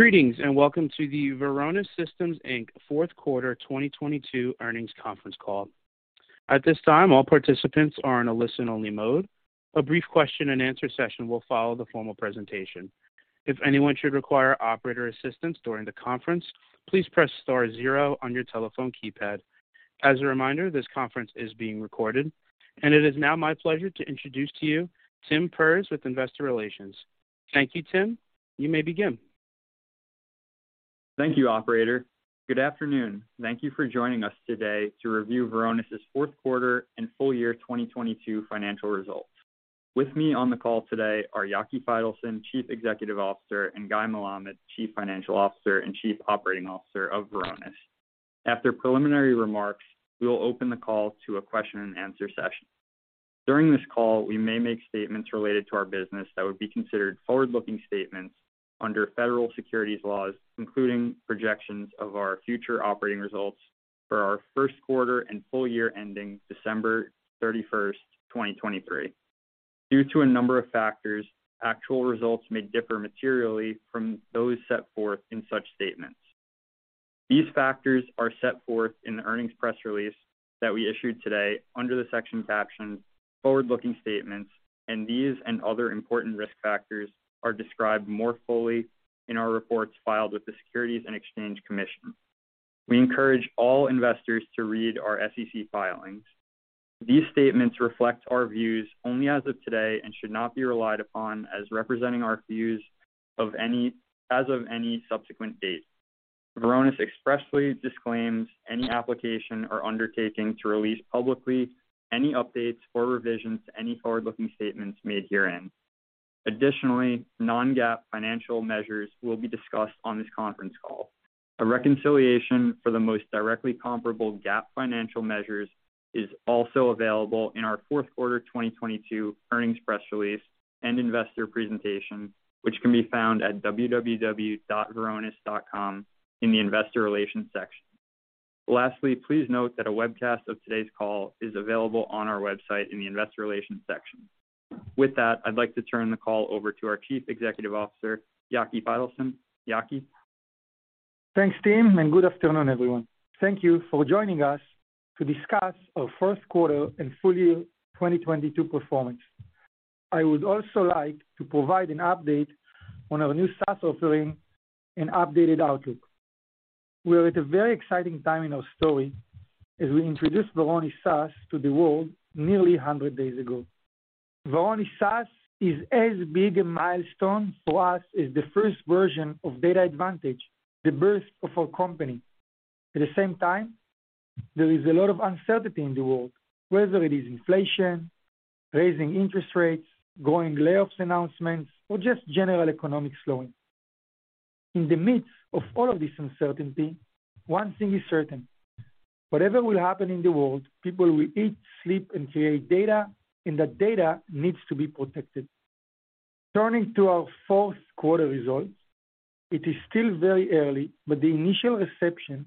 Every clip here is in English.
Greetings, welcome to the Varonis Systems Inc. fourth quarter 2022 earnings conference call. At this time, all participants are in a listen-only mode. A brief question-and-answer session will follow the formal presentation. If anyone should require operator assistance during the conference, please press star zero on your telephone keypad. As a reminder, this conference is being recorded. It is now my pleasure to introduce to you Tim Perz with Investor Relations. Thank you, Tim. You may begin. Thank you, operator. Good afternoon. Thank you for joining us today to review Varonis' fourth quarter and full year 2022 financial results. With me on the call today are Yaki Faitelson, Chief Executive Officer, and Guy Melamed, Chief Financial Officer and Chief Operating Officer of Varonis. After preliminary remarks, we will open the call to a question-and-answer session. During this call, we may make statements related to our business that would be considered forward-looking statements under federal securities laws, including projections of our future operating results for our first quarter and full year ending December 31st, 2023. Due to a number of factors, actual results may differ materially from those set forth in such statements. These factors are set forth in the earnings press release that we issued today under the section captioned Forward-Looking Statements. These and other important risk factors are described more fully in our reports filed with the Securities and Exchange Commission. We encourage all investors to read our SEC filings. These statements reflect our views only as of today and should not be relied upon as representing our views as of any subsequent date. Varonis expressly disclaims any application or undertaking to release publicly any updates or revisions to any forward-looking statements made herein. Additionally, non-GAAP financial measures will be discussed on this conference call. A reconciliation for the most directly comparable GAAP financial measures is also available in our fourth quarter 2022 earnings press release and investor presentation, which can be found at www.varonis.com in the investor relations section. Lastly, please note that a webcast of today's call is available on our website in the investor relations section. With that, I'd like to turn the call over to our Chief Executive Officer, Yaki Faitelson. Yaki. Thanks, Tim, and good afternoon, everyone. Thank you for joining us to discuss our first quarter and full year 2022 performance. I would also like to provide an update on our new SaaS offering and updated outlook. We are at a very exciting time in our story as we introduced Varonis SaaS to the world nearly 100 days ago. Varonis SaaS is as big a milestone for us as the first version of DatAdvantage, the birth of our company. At the same time, there is a lot of uncertainty in the world, whether it is inflation, raising interest rates, growing layoffs announcements, or just general economic slowing. In the midst of all of this uncertainty, one thing is certain, whatever will happen in the world, people will eat, sleep, and create data, and that data needs to be protected. Turning to our fourth quarter results, it is still very early, but the initial reception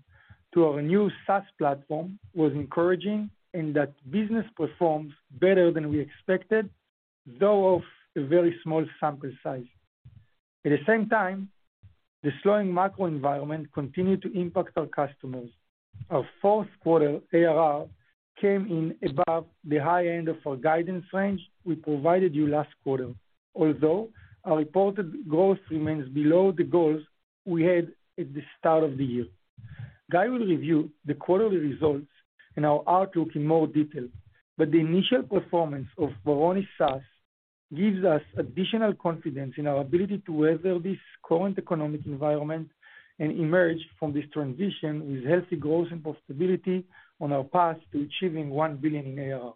to our new SaaS platform was encouraging and that business performs better than we expected, though of a very small sample size. At the same time, the slowing macro environment continued to impact our customers. Our fourth quarter ARR came in above the high end of our guidance range we provided you last quarter. Although our reported growth remains below the goals we had at the start of the year. Guy will review the quarterly results and our outlook in more detail, but the initial performance of Varonis SaaS gives us additional confidence in our ability to weather this current economic environment and emerge from this transition with healthy growth and profitability on our path to achieving $1 billion in ARR.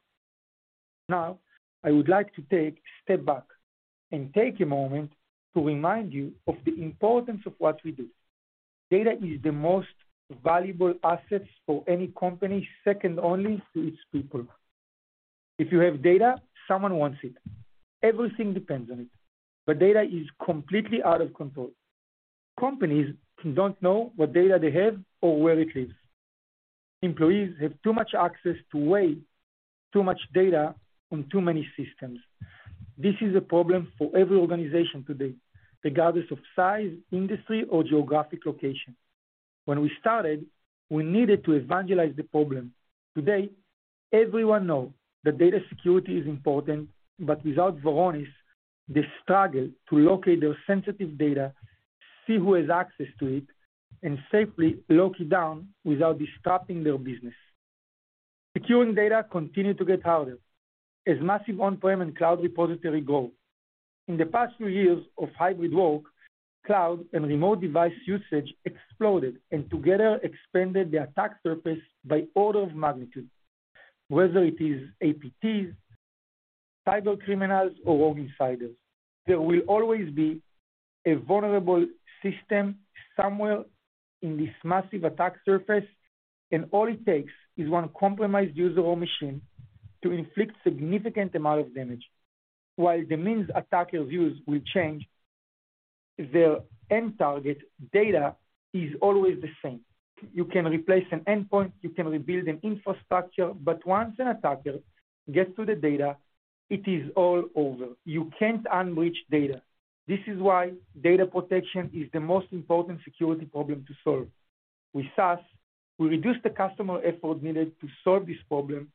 Now, I would like to take a step back and take a moment to remind you of the importance of what we do. Data is the most valuable assets for any company, second only to its people. If you have data, someone wants it. Everything depends on it, but data is completely out of control. Companies don't know what data they have or where it lives. Employees have too much access to way too much data on too many systems. This is a problem for every organization today, regardless of size, industry, or geographic location. When we started, we needed to evangelize the problem. Today, everyone know that data security is important, but without Varonis, they struggle to locate their sensitive data, see who has access to it, and safely lock it down without disrupting their business. Securing data continue to get harder as massive on-prem and cloud repository grow. In the past few years of hybrid work, cloud and remote device usage exploded and together expanded the attack surface by order of magnitude. Whether it is APTs, cybercriminals, or rogue insiders, there will always be a vulnerable system somewhere in this massive attack surface, and all it takes is one compromised user or machine to inflict significant amount of damage. While the means attackers use will change, their end target, data, is always the same. You can replace an endpoint, you can rebuild an infrastructure, but once an attacker gets to the data-It is all over. You can't un-breach data. This is why data protection is the most important security problem to solve. With SaaS, we reduce the customer effort needed to solve this problem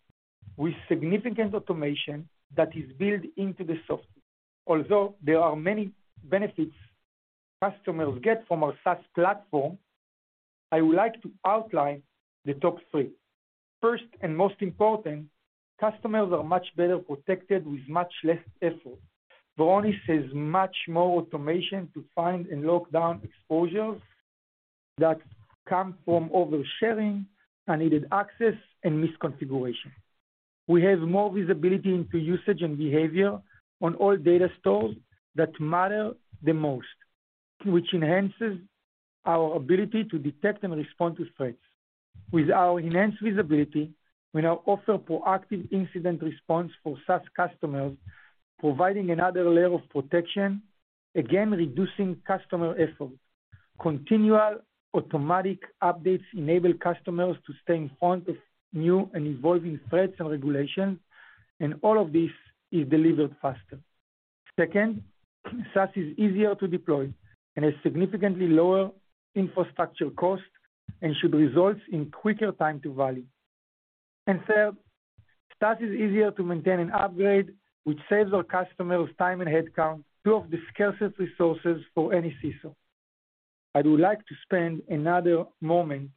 with significant automation that is built into the software. Although there are many benefits customers get from our SaaS platform, I would like to outline the top three. First, and most important, customers are much better protected with much less effort. Varonis has much more automation to find and lock down exposures that come from oversharing, unneeded access, and misconfiguration. We have more visibility into usage and behavior on all data stores that matter the most, which enhances our ability to detect and respond to threats. With our enhanced visibility, we now offer proactive incident response for SaaS customers, providing another layer of protection, again, reducing customer effort. Continual automatic updates enable customers to stay in front of new and evolving threats and regulations, and all of this is delivered faster. Second, SaaS is easier to deploy and has significantly lower infrastructure costs and should result in quicker time to value. Third, SaaS is easier to maintain and upgrade, which saves our customers time and headcount, two of the scarcest resources for any CISO. I would like to spend another moment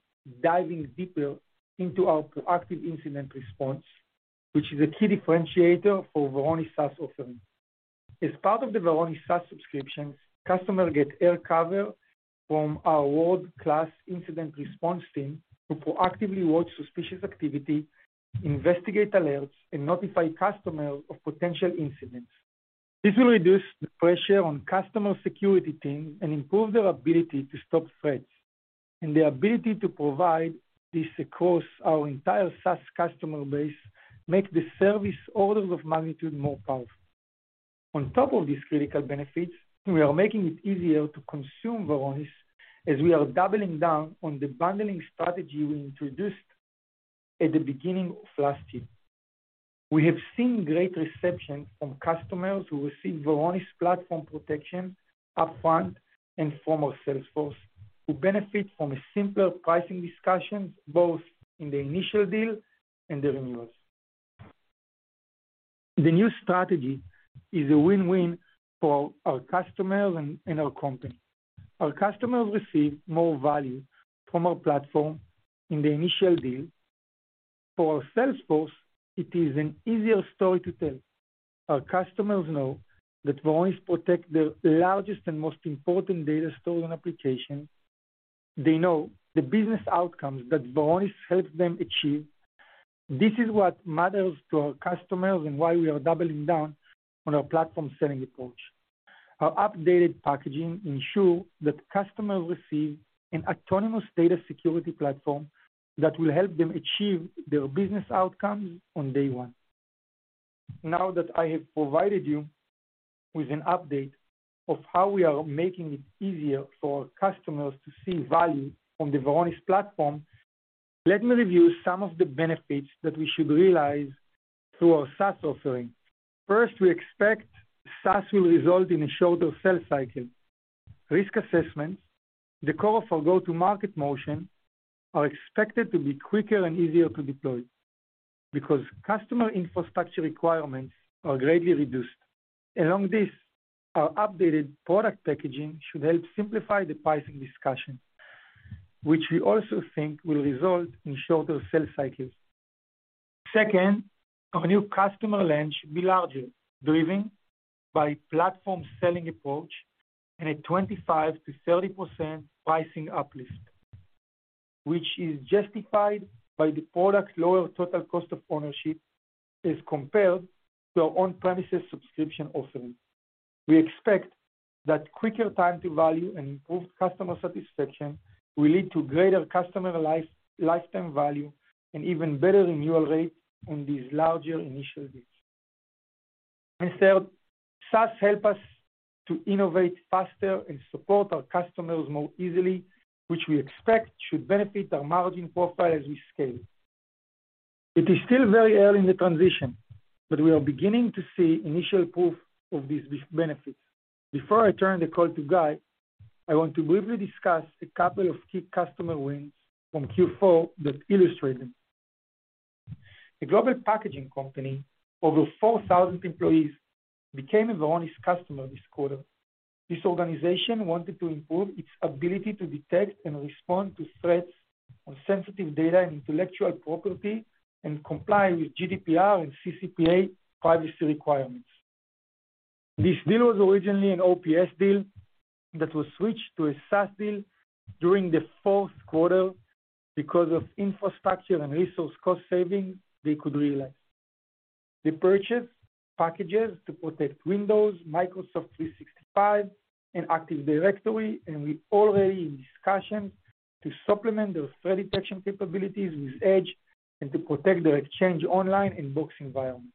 diving deeper into our proactive incident response, which is a key differentiator for Varonis SaaS offering. As part of the Varonis SaaS subscriptions, customers get air cover from our world-class incident response team, who proactively watch suspicious activity, investigate alerts, and notify customers of potential incidents. This will reduce the pressure on customer security teams and improve their ability to stop threats. The ability to provide this across our entire SaaS customer base make the service orders of magnitude more powerful. On top of these critical benefits, we are making it easier to consume Varonis as we are doubling down on the bundling strategy we introduced at the beginning of last year. We have seen great reception from customers who receive Varonis platform protection upfront and from our sales force, who benefit from a simpler pricing discussions, both in the initial deal and the renewals. The new strategy is a win-win for our customers and our company. Our customers receive more value from our platform in the initial deal. For our sales force, it is an easier story to tell. Our customers know that Varonis protect the largest and most important data stored on application. They know the business outcomes that Varonis helped them achieve. This is what matters to our customers and why we are doubling down on our platform selling approach. Our updated packaging ensure that customers receive an autonomous data security platform that will help them achieve their business outcomes on day one. Now that I have provided you with an update of how we are making it easier for our customers to see value from the Varonis platform, let me review some of the benefits that we should realize through our SaaS offering. First, we expect SaaS will result in a shorter sales cycle. Risk assessments, the core of our go-to-market motion, are expected to be quicker and easier to deploy because customer infrastructure requirements are greatly reduced. Along this, our updated product packaging should help simplify the pricing discussion, which we also think will result in shorter sales cycles. Second, our new customer land should be larger, driven by platform selling approach and a 25%-30% pricing uplift, which is justified by the product's lower total cost of ownership as compared to our on-premises subscription offering. We expect that quicker time to value and improved customer satisfaction will lead to greater customer lifetime value and even better renewal rates on these larger initial deals. Third, SaaS help us to innovate faster and support our customers more easily, which we expect should benefit our margin profile as we scale. It is still very early in the transition, but we are beginning to see initial proof of these benefits. Before I turn the call to Guy, I want to briefly discuss a couple of key customer wins from Q4 that illustrate them. A global packaging company, over 4,000 employees, became a Varonis customer this quarter. This organization wanted to improve its ability to detect and respond to threats on sensitive data and intellectual property, and comply with GDPR and CCPA privacy requirements. This deal was originally an OPS deal that was switched to a SaaS deal during the fourth quarter because of infrastructure and resource cost saving they could realize. They purchased packages to protect Windows, Microsoft 365, and Active Directory, and we already in discussion to supplement their threat detection capabilities with Edge and to protect their Exchange Online and Box environments.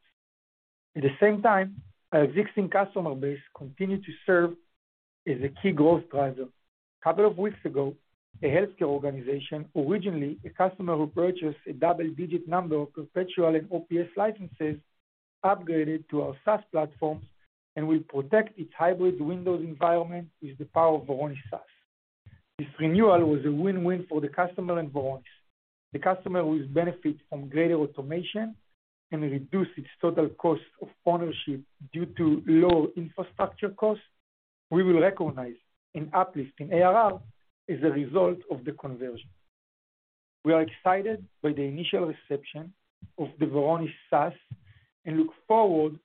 At the same time, our existing customer base continued to serveIs a key growth driver. Couple of weeks ago, a healthcare organization, originally a customer who purchased a double-digit number of perpetual and OPS licenses, upgraded to our SaaS platforms and will protect its hybrid Windows environment with the power of Varonis SaaS. This renewal was a win-win for the customer and Varonis. The customer will benefit from greater automation and reduce its total cost of ownership due to lower infrastructure costs. We will recognize an uplift in ARR as a result of the conversion. We are excited by the initial reception of the Varonis SaaS and look forward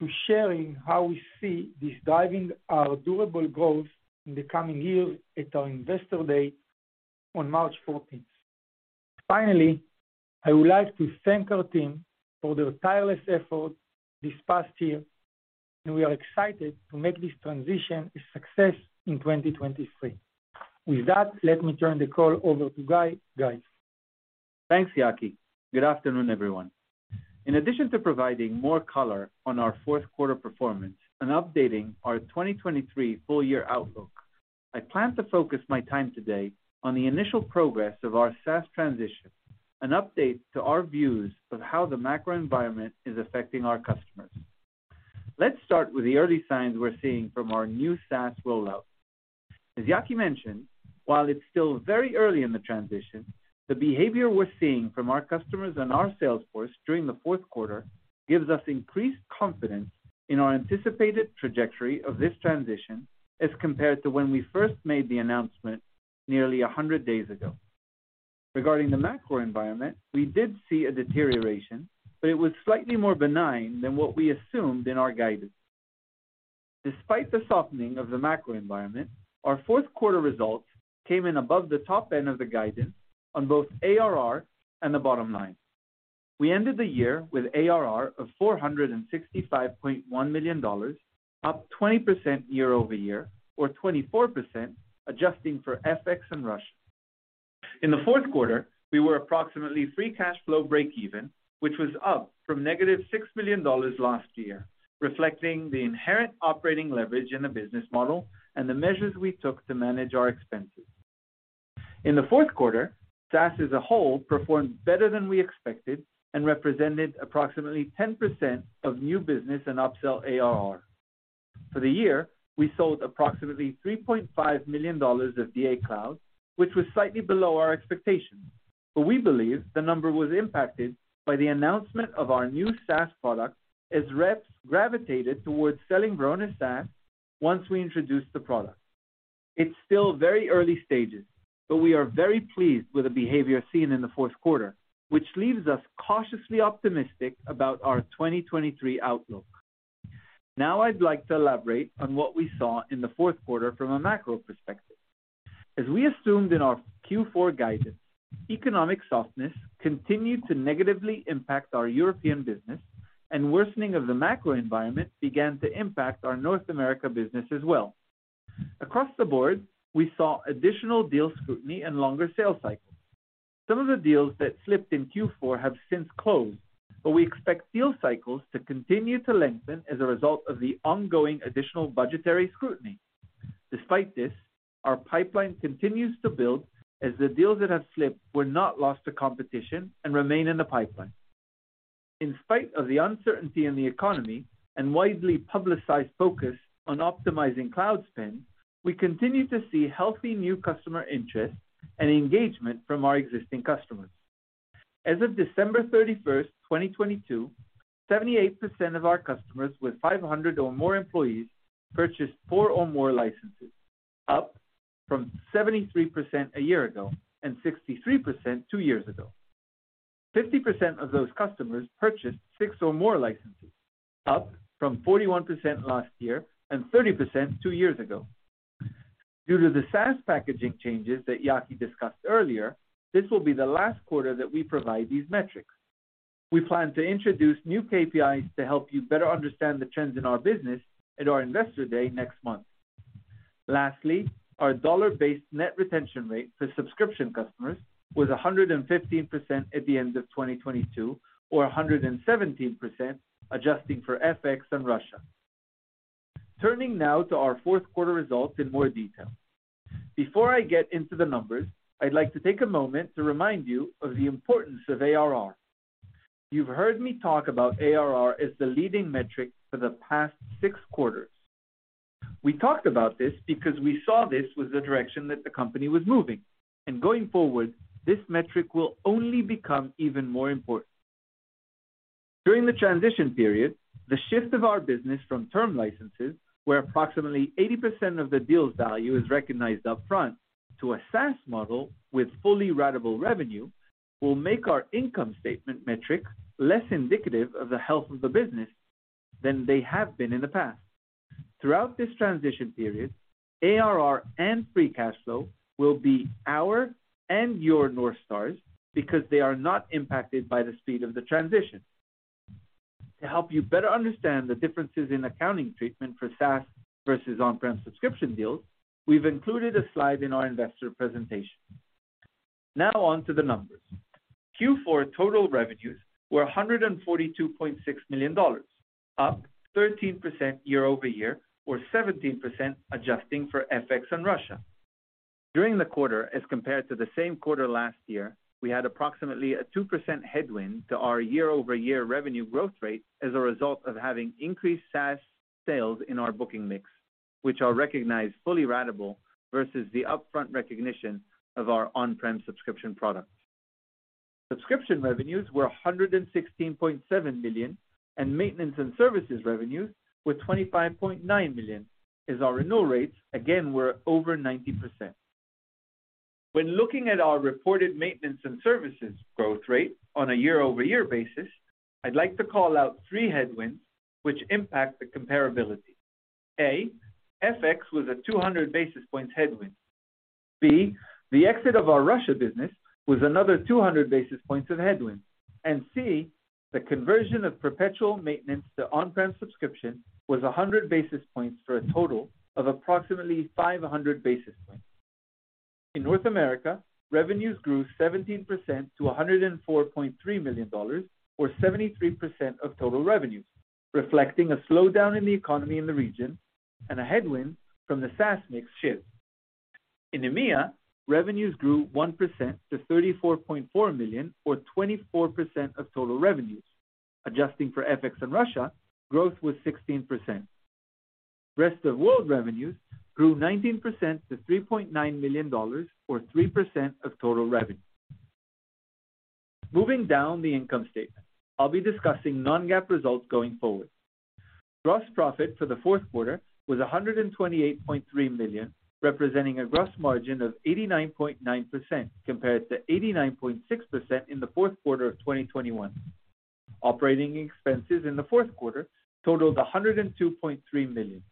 to sharing how we see this driving our durable growth in the coming years at our Investor Day on March fourteenth. Finally, I would like to thank our team for their tireless effort this past year, and we are excited to make this transition a success in 2023. With that, let me turn the call over to Guy. Thanks, Yaki. Good afternoon, everyone. In addition to providing more color on our fourth quarter performance and updating our 2023 full year outlook, I plan to focus my time today on the initial progress of our SaaS transition, an update to our views of how the macro environment is affecting our customers. Let's start with the early signs we're seeing from our new SaaS rollout. As Yaki mentioned, while it's still very early in the transition, the behavior we're seeing from our customers and our sales force during the fourth quarter gives us increased confidence in our anticipated trajectory of this transition as compared to when we first made the announcement nearly 100 days ago. Regarding the macro environment, we did see a deterioration, but it was slightly more benign than what we assumed in our guidance. Despite the softening of the macro environment, our fourth quarter results came in above the top end of the guidance on both ARR and the bottom line. We ended the year with ARR of $465.1 million, up 20% year-over-year or 24% adjusting for FX and Russia. In the fourth quarter, we were approximately free cash flow break even, which was up from negative $6 million last year, reflecting the inherent operating leverage in the business model and the measures we took to manage our expenses. In the fourth quarter, SaaS as a whole performed better than we expected and represented approximately 10% of new business and upsell ARR. For the year, we sold approximately $3.5 million of DatAdvantage Cloud, which was slightly below our expectations. We believe the number was impacted by the announcement of our new SaaS product as reps gravitated towards selling Varonis SaaS once we introduced the product. It's still very early stages. We are very pleased with the behavior seen in the fourth quarter, which leaves us cautiously optimistic about our 2023 outlook. I'd like to elaborate on what we saw in the fourth quarter from a macro perspective. As we assumed in our Q4 guidance, economic softness continued to negatively impact our European business. Worsening of the macro environment began to impact our North America business as well. Across the board, we saw additional deal scrutiny and longer sales cycles. Some of the deals that slipped in Q4 have since closed. We expect deal cycles to continue to lengthen as a result of the ongoing additional budgetary scrutiny. Despite this, our pipeline continues to build as the deals that have slipped were not lost to competition and remain in the pipeline. In spite of the uncertainty in the economy and widely publicized focus on optimizing cloud spend, we continue to see healthy new customer interest and engagement from our existing customers. As of December 31, 2022, 78% of our customers with 500 or more employees purchased 4 or more licenses, up from 73% a year ago and 63% two years ago. 50% of those customers purchased 6 or more licenses, up from 41% last year and 30% two years ago. Due to the SaaS packaging changes that Yaki discussed earlier, this will be the last quarter that we provide these metrics. We plan to introduce new KPIs to help you better understand the trends in our business at our Investor Day next month. Lastly, our dollar-based net retention rate for subscription customers was 115% at the end of 2022 or 117% adjusting for FX and Russia. Turning now to our fourth quarter results in more detail. Before I get into the numbers, I'd like to take a moment to remind you of the importance of ARR. You've heard me talk about ARR as the leading metric for the past six quarters. We talked about this because we saw this was the direction that the company was moving, and going forward, this metric will only become even more important. During the transition period, the shift of our business from term licenses, where approximately 80% of the deal's value is recognized upfront to a SaaS model with fully ratable revenue, will make our income statement metric less indicative of the health of the business than they have been in the past. Throughout this transition period, ARR and free cash flow will be our and your North Stars because they are not impacted by the speed of the transition. To help you better understand the differences in accounting treatment for SaaS versus on-prem subscription deals, we've included a slide in our Investor Day presentation. On to the numbers. Q4 total revenues were $142.6 million, up 13% year-over-year or 17% adjusting for FX and Russia. During the quarter as compared to the same quarter last year, we had approximately a 2% headwind to our year-over-year revenue growth rate as a result of having increased SaaS sales in our booking mix, which are recognized fully ratable versus the upfront recognition of our on-prem subscription products. Subscription revenues were $116.7 million, and maintenance and services revenues were $25.9 million, as our renewal rates again were over 90%. When looking at our reported maintenance and services growth rate on a year-over-year basis, I'd like to call out 3 headwinds which impact the comparability. A, FX was a 200 basis points headwind. B, the exit of our Russia business was another 200 basis points of headwind. C, the conversion of perpetual maintenance to on-prem subscription was 100 basis points for a total of approximately 500 basis points. In North America, revenues grew 17% to $104.3 million, or 73% of total revenues, reflecting a slowdown in the economy in the region and a headwind from the SaaS mix shift. In EMEA, revenues grew 1% to $34.4 million or 24% of total revenues. Adjusting for FX and Russia, growth was 16%. Rest of World revenues grew 19% to $3.9 million or 3% of total revenue. Moving down the income statement, I'll be discussing non-GAAP results going forward. Gross profit for the fourth quarter was $128.3 million, representing a gross margin of 89.9% compared to 89.6% in the fourth quarter of 2021. Operating expenses in the fourth quarter totaled $102.3 million.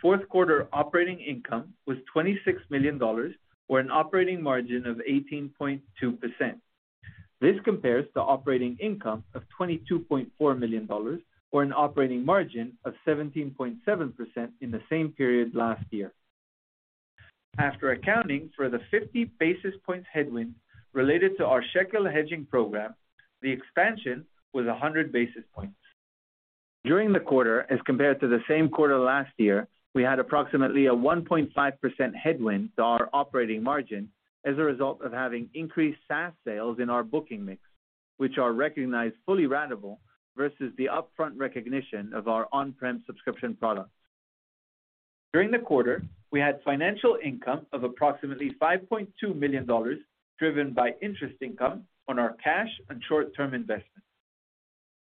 Fourth quarter operating income was $26 million or an operating margin of 18.2%. This compares to operating income of $22.4 million or an operating margin of 17.7% in the same period last year. After accounting for the 50 basis points headwind related to our shekel hedging program, the expansion was 100 basis points. During the quarter as compared to the same quarter last year, we had approximately a 1.5% headwind to our operating margin as a result of having increased SaaS sales in our booking mix, which are recognized fully ratable versus the upfront recognition of our on-prem subscription products. During the quarter, we had financial income of approximately $5.2 million, driven by interest income on our cash and short-term investments.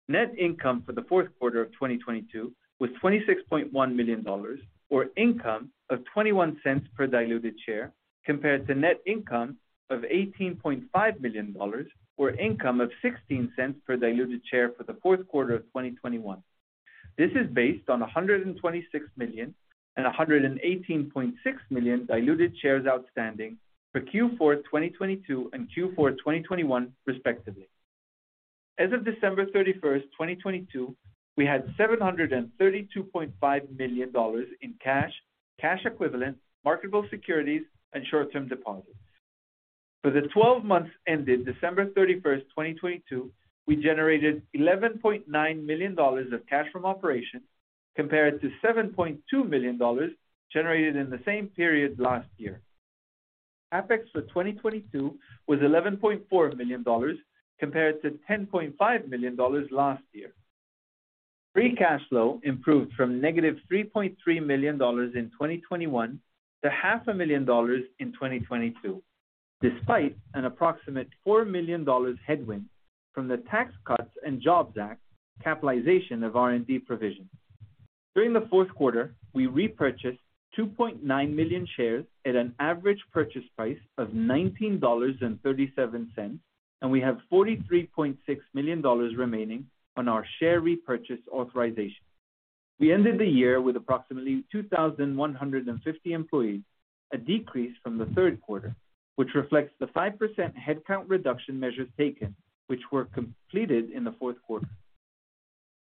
Net income for the fourth quarter of 2022 was $26.1 million or income of $0.21 per diluted share, compared to net income of $18.5 million or income of $0.16 per diluted share for the fourth quarter of 2021. This is based on 126 million and 118.6 million diluted shares outstanding for Q4 2022 and Q4 2021 respectively. As of December 31st, 2022, we had $732.5 million in cash equivalents, marketable securities, and short-term deposits. For the 12 months ended December 31st, 2022, we generated $11.9 million of cash from operations compared to $7.2 million generated in the same period last year. CapEx for 2022 was $11.4 million compared to $10.5 million last year. Free cash flow improved from negative $3.3 million in 2021 to half a million dollars in 2022, despite an approximate $4 million headwind from the Tax Cuts and Jobs Act capitalization of R&D provisions. During the fourth quarter, we repurchased 2.9 million shares at an average purchase price of $19.37, and we have $43.6 million remaining on our share repurchase authorization. We ended the year with approximately 2,150 employees, a decrease from the third quarter, which reflects the 5% headcount reduction measures taken, which were completed in the fourth quarter.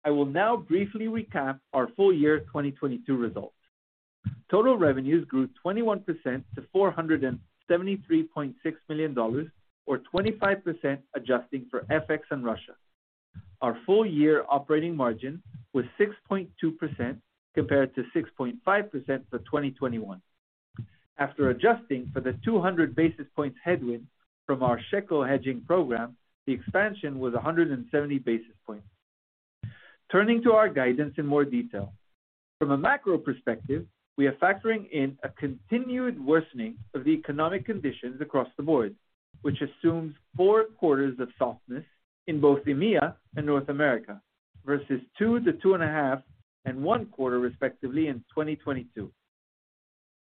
I will now briefly recap our full year 2022 results. Total revenues grew 21% to $473.6 million, or 25% adjusting for FX and Russia. Our full year operating margin was 6.2% compared to 6.5% for 2021. After adjusting for the 200 basis points headwind from our shekel hedging program, the expansion was 170 basis points. Turning to our guidance in more detail. From a macro perspective, we are factoring in a continued worsening of the economic conditions across the board, which assumes four quarters of softness in both EMEA and North America versus two to two and a half and one quarter respectively in 2022.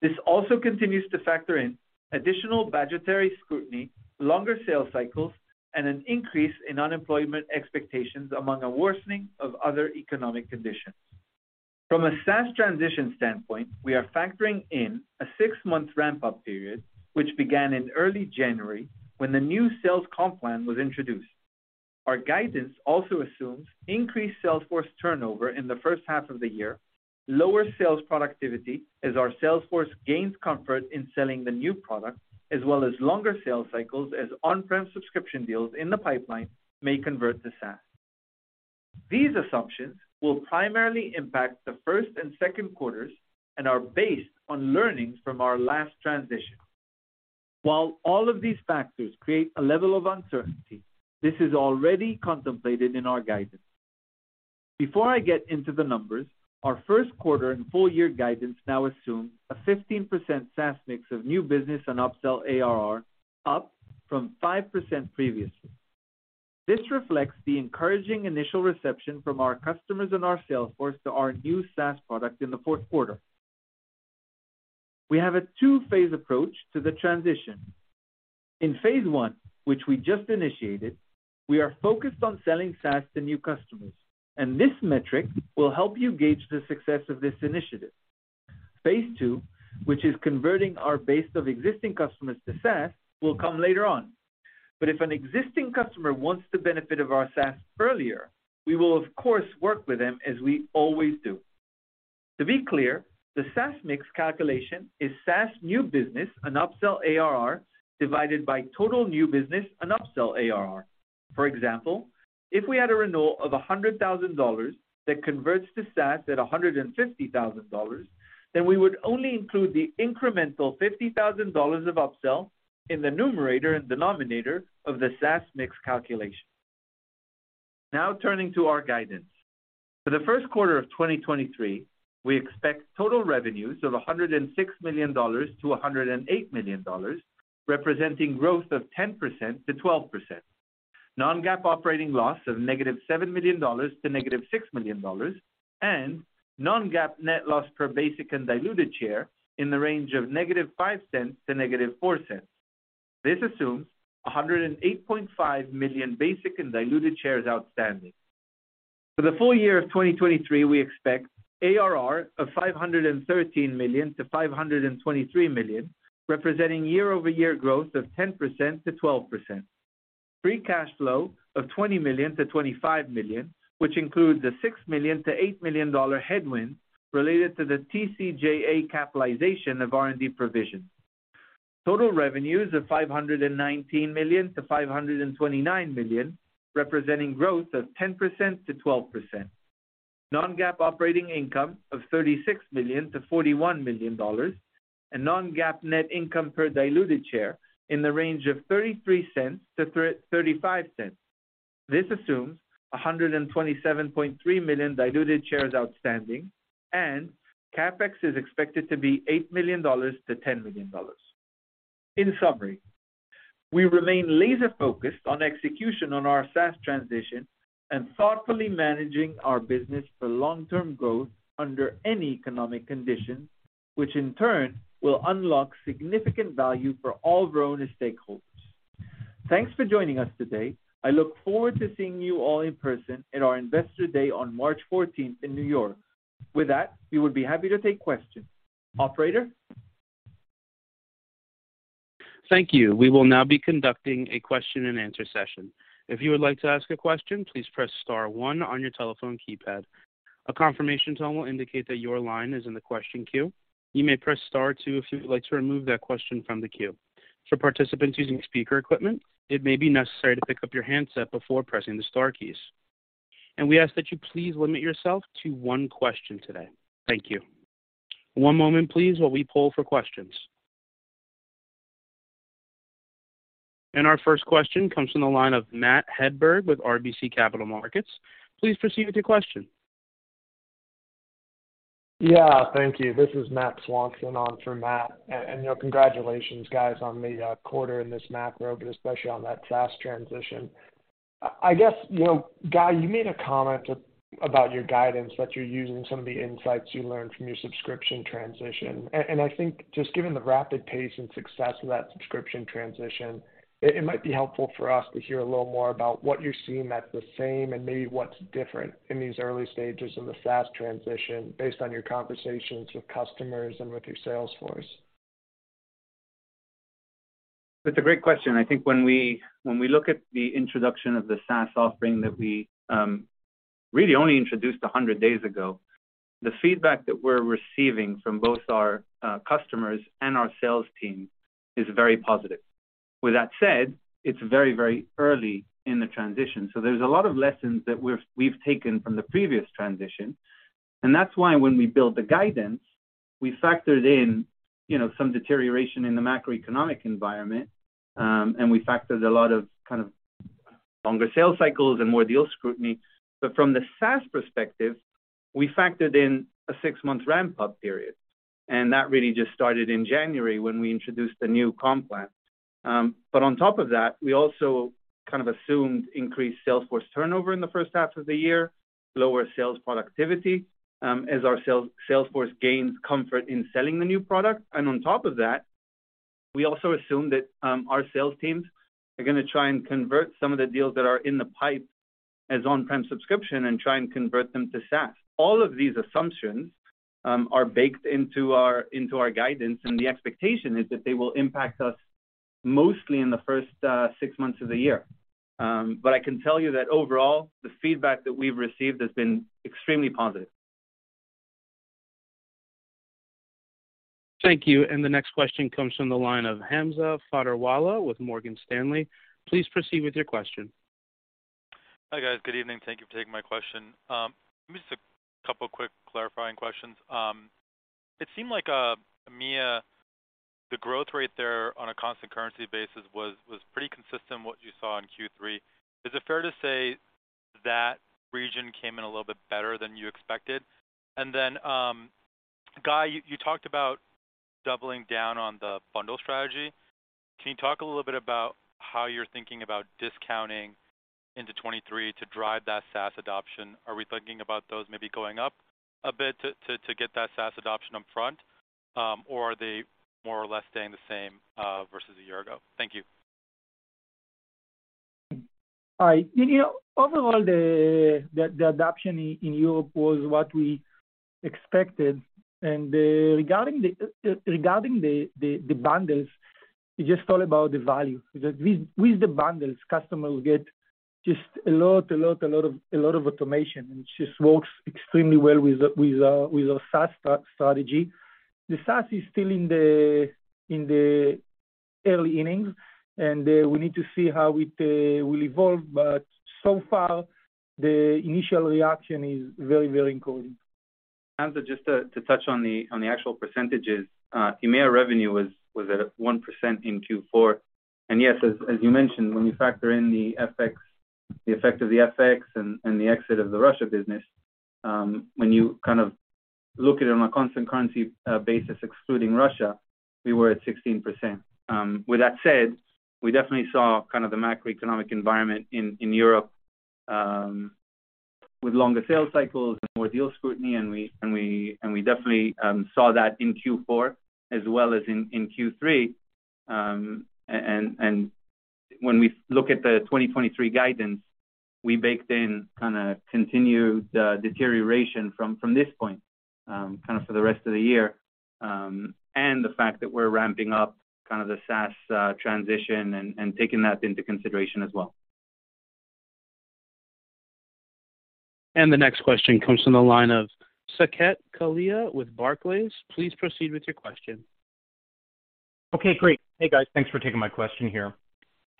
This also continues to factor in additional budgetary scrutiny, longer sales cycles, and an increase in unemployment expectations among a worsening of other economic conditions. From a SaaS transition standpoint, we are factoring in a six-month ramp-up period, which began in early January when the new sales comp plan was introduced. Our guidance also assumes increased sales force turnover in the H1 of the year, lower sales productivity as our sales force gains comfort in selling the new product, as well as longer sales cycles as on-prem subscription deals in the pipeline may convert to SaaS. These assumptions will primarily impact the first and second quarters and are based on learnings from our last transition. While all of these factors create a level of uncertainty, this is already contemplated in our guidance. Before I get into the numbers, our first quarter and full year guidance now assume a 15% SaaS mix of new business and upsell ARR, up from 5% previously. This reflects the encouraging initial reception from our customers and our sales force to our new SaaS product in the fourth quarter. We have a two-phase approach to the transition. In Phase one, which we just initiated, we are focused on selling SaaS to new customers, and this metric will help you gauge the success of this initiative. Phase two, which is converting our base of existing customers to SaaS, will come later on. If an existing customer wants the benefit of our SaaS earlier, we will, of course, work with them as we always do. To be clear, the SaaS mix calculation is SaaS new business and upsell ARR divided by total new business and upsell ARR. If we had a renewal of $100,000 that converts to SaaS at $150,000, then we would only include the incremental $50,000 of upsell in the numerator and denominator of the SaaS mix calculation. Turning to our guidance. For the first quarter of 2023, we expect total revenues of $106 million-$108 million, representing growth of 10%-12%. Non-GAAP operating loss of -$7 million to -$6 million, and non-GAAP net loss per basic and diluted share in the range of -$0.05 to -$0.04. This assumes 108.5 million basic and diluted shares outstanding. For the full year of 2023, we expect ARR of $513 million-$523 million, representing year-over-year growth of 10%-12%. Free cash flow of $20 million-$25 million, which includes the $6 million-$8 million headwind related to the TCJA capitalization of R&D provision. Total revenues of $519 million-$529 million, representing growth of 10%-12%. Non-GAAP operating income of $36 million-$41 million, and non-GAAP net income per diluted share in the range of $0.33-$0.35. This assumes 127.3 million diluted shares outstanding, and CapEx is expected to be $8 million-$10 million. In summary, we remain laser-focused on execution on our SaaS transition and thoughtfully managing our business for long-term growth under any economic condition, which in turn will unlock significant value for all Varonis stakeholders. Thanks for joining us today. I look forward to seeing you all in person at our Investor Day on March 14th in New York. With that, we would be happy to take questions. Operator? Thank you. We will now be conducting a question and answer session. If you would like to ask a question, please press star one on your telephone keypad. A confirmation tone will indicate that your line is in the question queue. You may press star two if you would like to remove that question from the queue. For participants using speaker equipment, it may be necessary to pick up your handset before pressing the star keys. We ask that you please limit yourself to one question today. Thank you. One moment please, while we poll for questions. Our first question comes from the line of Matt Hedberg with RBC Capital Markets. Please proceed with your question. Yeah, thank you. This is Matthew Swanson on for Matt Hedberg. You know, congratulations, guys, on the quarter in this macro, but especially on that fast transition. I guess, you know, Guy Melamed, you made a comment about your guidance that you're using some of the insights you learned from your subscription transition. I think just given the rapid pace and success of that subscription transition, it might be helpful for us to hear a little more about what you're seeing that's the same and maybe what's different in these early stages in the fast transition based on your conversations with customers and with your sales force. That's a great question. I think when we look at the introduction of the SaaS offering that we really only introduced 100 days ago, the feedback that we're receiving from both our customers and our sales team is very positive. With that said, it's very early in the transition, so there's a lot of lessons that we've taken from the previous transition. That's why when we built the guidance, we factored in, you know, some deterioration in the macroeconomic environment, and we factored a lot of kind of longer sales cycles and more deal scrutiny. From the SaaS perspective, we factored in a 6-month ramp-up period, and that really just started in January when we introduced the new comm plan. On top of that, we also kind of assumed increased sales force turnover in the H1 of the year, lower sales productivity, as our sales force gains comfort in selling the new product. On top of that, we also assume that our sales teams are gonna try and convert some of the deals that are in the pipe- As on-prem subscription and try and convert them to SaaS. All of these assumptions are baked into our, into our guidance, and the expectation is that they will impact us mostly in the first six months of the year. I can tell you that overall, the feedback that we've received has been extremely positive. Thank you. The next question comes from the line of Hamza Fodderwala with Morgan Stanley. Please proceed with your question. Hi, guys. Good evening. Thank you for taking my question. Maybe just a couple of quick clarifying questions. It seemed like EMEA, the growth rate there on a constant currency basis was pretty consistent what you saw in Q3. Is it fair to say that region came in a little bit better than you expected? Guy, you talked about doubling down on the bundle strategy. Can you talk a little bit about how you're thinking about discounting into 23 to drive that SaaS adoption? Are we thinking about those maybe going up a bit to get that SaaS adoption up front, or are they more or less staying the same versus a year ago? Thank you. Hi. You know, overall, the adoption in Europe was what we expected. Regarding the bundles, it's just all about the value. With the bundles, customers get just a lot of automation, and it just works extremely well with our SaaS strategy. The SaaS is still in the early innings, and we need to see how it will evolve. So far, the initial reaction is very, very encouraging. Hamza, just to touch on the actual percentages, EMEA revenue was 1% in Q4. Yes, as you mentioned, when you factor in the FX, the effect of the FX and the exit of the Russia business, when you kind of look at it on a constant currency basis excluding Russia, we were at 16%. With that said, we definitely saw kind of the macroeconomic environment in Europe with longer sales cycles and more deal scrutiny, and we definitely saw that in Q4 as well as in Q3. When we look at the 2023 guidance, we baked in kinda continued deterioration from this point for the rest of the year, and the fact that we're ramping up the SaaS transition and taking that into consideration as well. The next question comes from the line of Saket Kalia with Barclays. Please proceed with your question. Okay, great. Hey, guys. Thanks for taking my question here.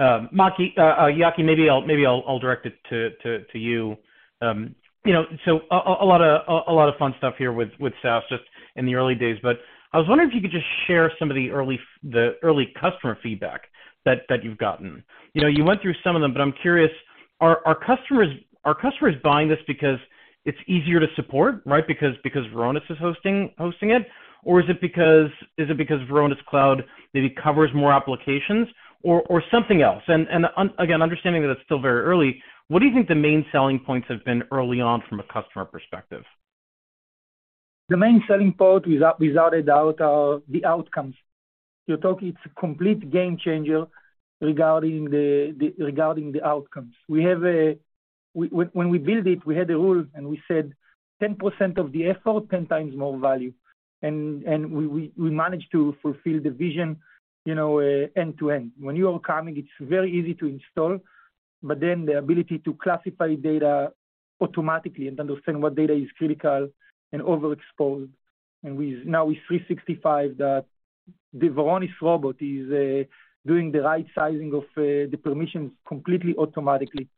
Yaki, maybe I'll direct it to you. you know, a lot of fun stuff here with SaaS just in the early days. I was wondering if you could just share some of the early customer feedback that you've gotten. You know, you went through some of them, but I'm curious, are customers buying this because it's easier to support, right? Because Varonis is hosting it? Or is it because Varonis Cloud maybe covers more applications or something else? Again, understanding that it's still very early, what do you think the main selling points have been early on from a customer perspective? The main selling point without a doubt are the outcomes. You're talking it's a complete game changer regarding the outcomes. When we build it, we had a rule and we said, "10% of the effort, 10 times more value." We managed to fulfill the vision, you know, end to end. When you are coming, it's very easy to install, but then the ability to classify data automatically and understand what data is critical and overexposed. Now with 365, the Varonis robot is doing the right sizing of the permissions completely automatically.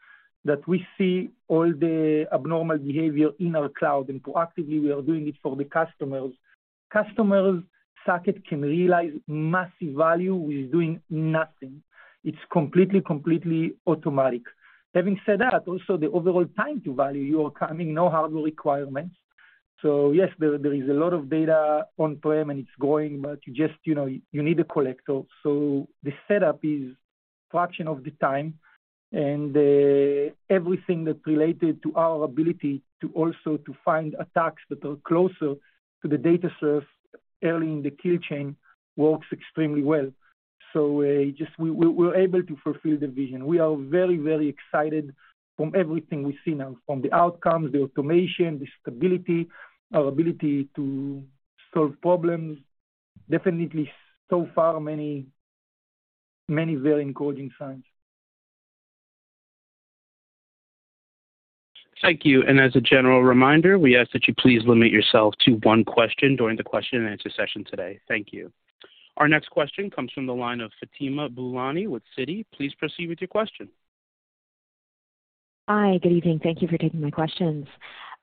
That we see all the abnormal behavior in our cloud and proactively we are doing it for the customers. Customers, Saket, can realize massive value with doing nothing. It's completely automatic. Having said that, also the overall time to value, you are coming, no hardware requirements. Yes, there is a lot of data on-prem and it's growing, but you just, you know, you need a collector. The setup is fraction of the time and everything that related to our ability to also to find attacks that are closer to the data source early in the kill chain works extremely well. Just we're able to fulfill the vision. We are very, very excited from everything we see now. From the outcomes, the automation, the stability, our ability to solve problems. Definitely, so far, many, many very encouraging signs. Thank you. As a general reminder, we ask that you please limit yourself to 1 question during the question and answer session today. Thank you. Our next question comes from the line of Fatima Boolani with Citi. Please proceed with your question. Hi. Good evening. Thank you for taking my questions.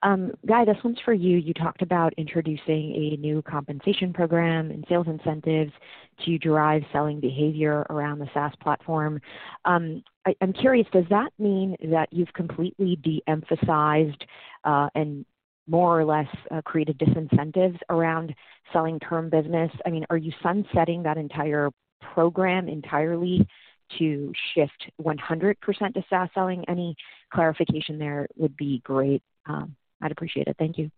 Guy, this one's for you. You talked about introducing a new compensation program and sales incentives to drive selling behavior around the SaaS platform. I'm curious, does that mean that you've completely de-emphasized, and more or less, created disincentives around selling term business? I mean, are you sunsetting that entire program entirely to shift 100% to SaaS selling? Any clarification there would be great. I'd appreciate it. Thank you.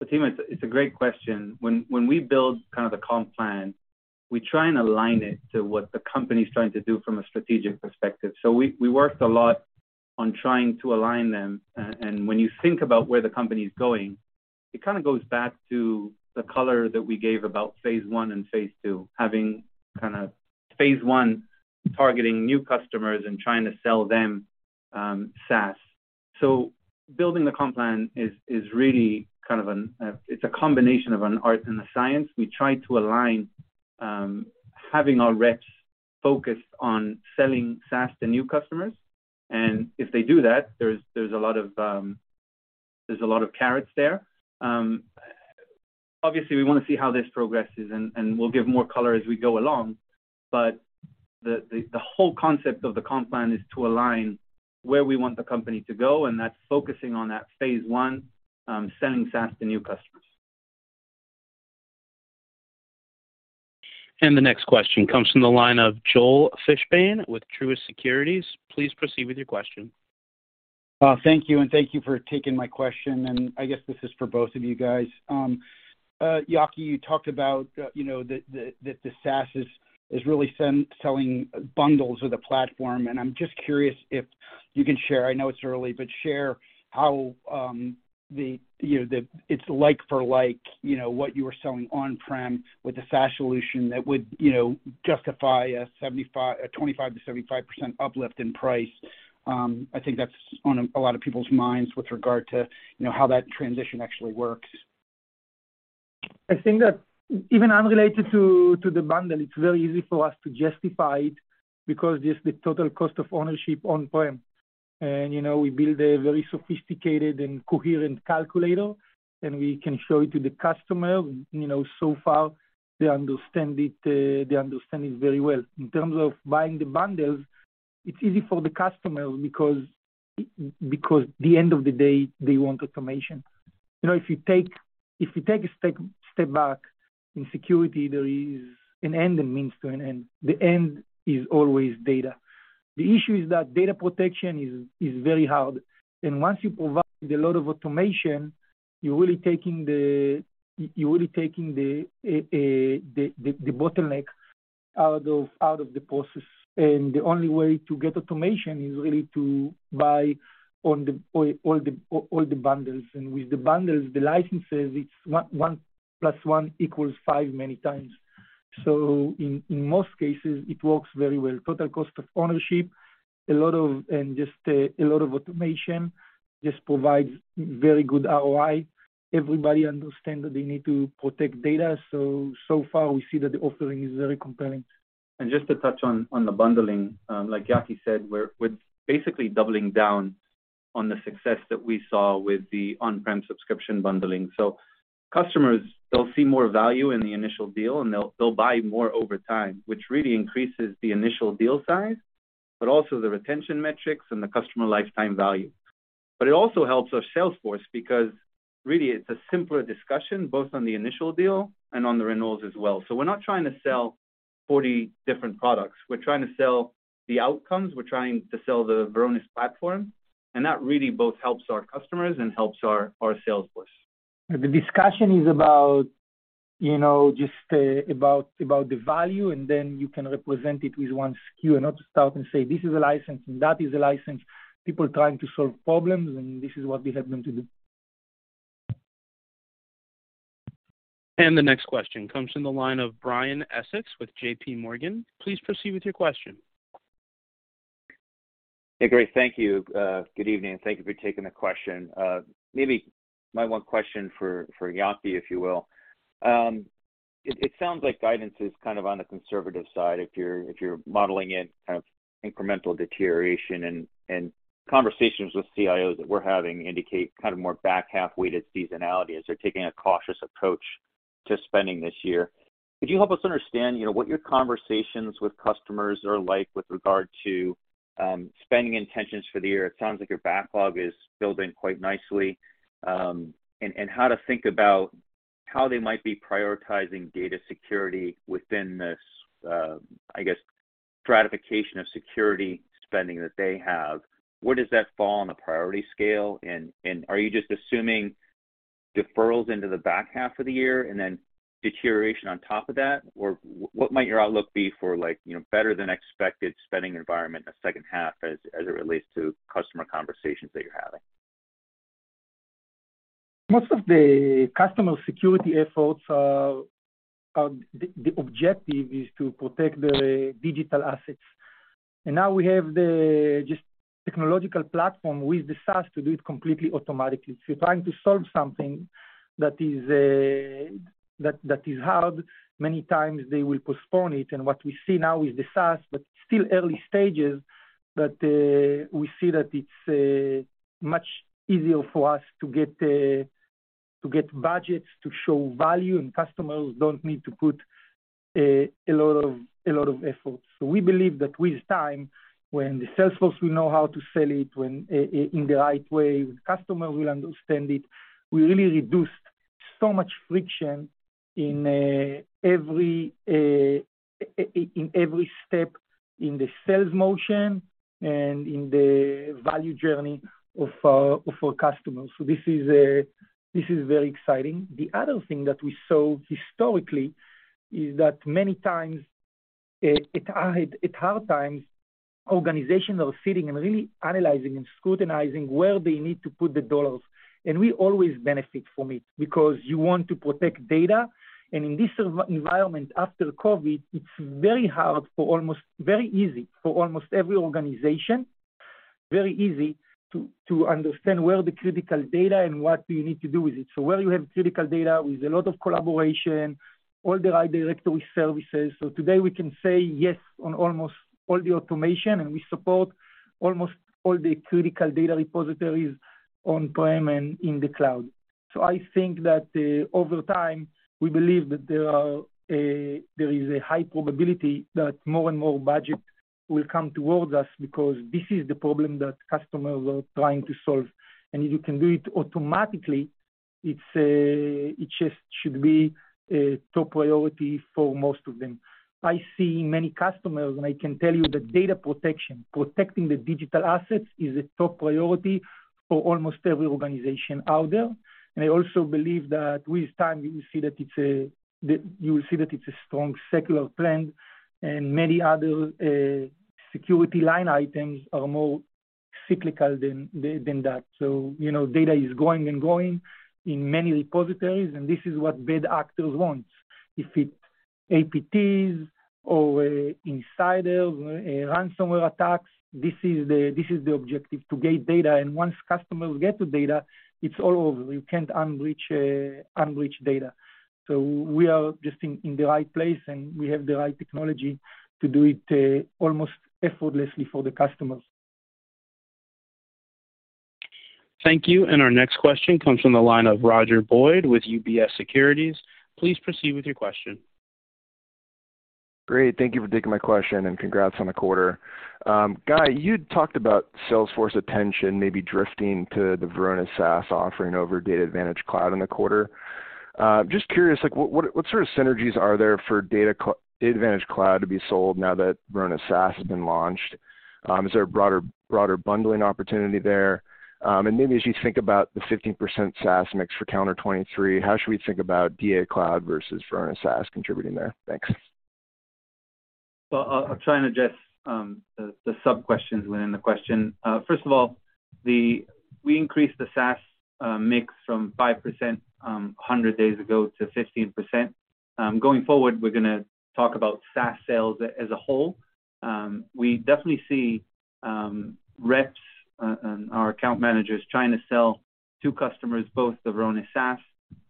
Fatima, it's a great question. When we build kind of the comp plan, we try and align it to what the company's trying to do from a strategic perspective. We worked a lot on trying to align them. And when you think about where the company's going, it kinda goes back to the color that we gave about phase one and phase two, having kinda phase one targeting new customers and trying to sell them, SaaS. Building the comp plan is really kind of a combination of an art and a science. We try to align having our reps focused on selling SaaS to new customers, and if they do that, there's a lot of carrots there. Obviously, we wanna see how this progresses and we'll give more color as we go along. The whole concept of the comp plan is to align where we want the company to go, and that's focusing on that phase one, selling SaaS to new customers. The next question comes from the line of Joel Fishbein with Truist Securities. Please proceed with your question. Thank you for taking my question, and I guess this is for both of you guys. Yaki, you talked about, you know, the, that the SaaS is really selling bundles with the platform, and I'm just curious if you can share, I know it's early, but share how the, you know, the it's like for like, you know, what you were selling on-prem with the SaaS solution that would, you know, justify a 25%-75% uplift in price. I think that's on a lot of people's minds with regard to, you know, how that transition actually works. I think that even unrelated to the bundle, it's very easy for us to justify it because just the total cost of ownership on-prem. You know, we build a very sophisticated and coherent calculator, and we can show it to the customer. You know, so far they understand it, they understand it very well. In terms of buying the bundles, it's easy for the customer because the end of the day, they want automation. You know, if you take a step back, in security, there is an end and means to an end. The end is always data. The issue is that data protection is very hard. Once you provide a lot of automation, you're really taking the bottleneck out of the process. The only way to get automation is really to buy all the bundles. With the bundles, the licenses, it's one plus one equals five many times. In most cases, it works very well. Total cost of ownership, a lot of and just a lot of automation just provides very good ROI. Everybody understand that they need to protect data. So far we see that the offering is very compelling. Just to touch on the bundling, like Yaki said, we're basically doubling down on the success that we saw with the on-prem subscription bundling. Customers, they'll see more value in the initial deal, and they'll buy more over time, which really increases the initial deal size, but also the retention metrics and the customer lifetime value. It also helps our sales force because really it's a simpler discussion, both on the initial deal and on the renewals as well. We're not trying to sell 40 different products. We're trying to sell the outcomes, we're trying to sell the Varonis platform, and that really both helps our customers and helps our sales force. The discussion is about, you know, just, about the value, and then you can represent it with one SKU and not to start and say, "This is a license and that is a license." People are trying to solve problems, and this is what we help them to do. The next question comes from the line of Brian Essex with J.P. Morgan. Please proceed with your question. Hey, great. Thank you. Good evening, and thank you for taking the question. Maybe my one question for Yaki, if you will. It sounds like guidance is kind of on the conservative side if you're modeling it kind of incremental deterioration and conversations with CIOs that we're having indicate kind of more back half-weighted seasonality, as they're taking a cautious approach to spending this year. Could you help us understand, you know, what your conversations with customers are like with regard to spending intentions for the year? It sounds like your backlog is building quite nicely. How to think about how they might be prioritizing data security within this, I guess, stratification of security spending that they have. Where does that fall on the priority scale? Are you just assuming deferrals into the back half of the year and then deterioration on top of that? Or what might your outlook be for like, you know, better than expected spending environment in the H2 as it relates to customer conversations that you're having? Most of the customer security efforts are. The objective is to protect the digital assets. Now we have the just technological platform with the SaaS to do it completely automatically. You're trying to solve something that is hard. Many times they will postpone it. What we see now is the SaaS, but still early stages, but we see that it's much easier for us to get budgets to show value, and customers don't need to put a lot of efforts. We believe that with time, when the sales force will know how to sell it when in the right way, the customer will understand it. We really reduced so much friction in every step in the sales motion and in the value journey of our customers. This is very exciting. The other thing that we saw historically is that many times, at hard times, organizations are sitting and really analyzing and scrutinizing where they need to put the $. We always benefit from it because you want to protect data. In this environment after COVID, it's very easy for almost every organization, very easy to understand where the critical data and what do you need to do with it. Where you have critical data with a lot of collaboration, all the right directory services. Today we can say yes on almost all the automation, and we support almost all the critical data repositories on-prem and in the cloud. I think that, over time, we believe that there are, there is a high probability that more and more budget will come towards us because this is the problem that customers are trying to solve. If you can do it automatically, it's, it just should be a top priority for most of them. I see many customers, and I can tell you that data protection, protecting the digital assets is a top priority for almost every organization out there. I also believe that with time, you will see that it's a that you will see that it's a strong secular trend, and many other, security line items are more cyclical than that. You know, data is growing and growing in many repositories, and this is what bad actors want. If it's APT or insiders, ransomware attacks, this is the objective, to get data. Once customers get the data, it's all over. You can't unreach data. We are just in the right place, and we have the right technology to do it almost effortlessly for the customers. Thank you. Our next question comes from the line of Roger Boyd with UBS Securities. Please proceed with your question. Great. Thank you for taking my question. Congrats on the quarter. Guy, you talked about Salesforce attention maybe drifting to the Varonis SaaS offering over DatAdvantage Cloud in the quarter. Just curious, like what sort of synergies are there for DatAdvantage Cloud to be sold now that Varonis SaaS has been launched? Is there a broader bundling opportunity there? Maybe as you think about the 15% SaaS mix for 2023, how should we think about DA Cloud versus Varonis SaaS contributing there? Thanks. Well, I'll try and address the sub-questions within the question. First of all, we increased the SaaS mix from 5%, 100 days ago to 15%. Going forward, we're gonna talk about SaaS sales as a whole. We definitely see reps and our account managers trying to sell to customers, both the Varonis SaaS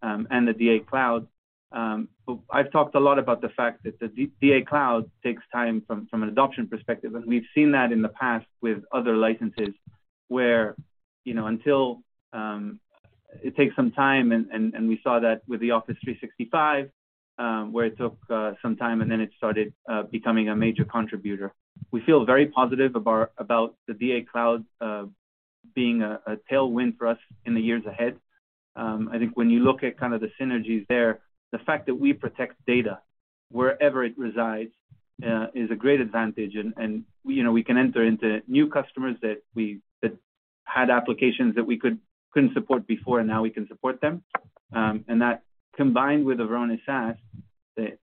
and the DA Cloud. I've talked a lot about the fact that the DA Cloud takes time from an adoption perspective, and we've seen that in the past with other licenses where, you know, until it takes some time and we saw that with the Office 365 where it took some time, and then it started becoming a major contributor. We feel very positive about the DA Cloud, being a tailwind for us in the years ahead. I think when you look at kind of the synergies there, the fact that we protect data wherever it resides, is a great advantage. you know, we can enter into new customers that had applications that we couldn't support before, and now we can support them. that combined with the Varonis SaaS, it